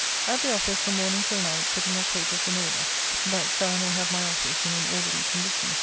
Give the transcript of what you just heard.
At the office from morning till night putting of papers in order, that so I may have my office in an orderly condition.